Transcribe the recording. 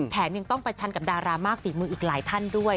แถมยังต้องประชันกับดารามากฝีมืออีกหลายท่านด้วย